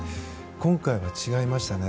今回は違いましたね。